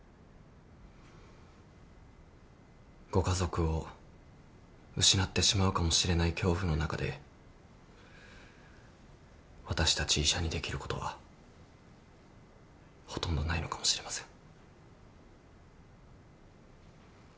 ご家族を失ってしまうかもしれない恐怖の中で私たち医者にできることはほとんどないのかもしれません。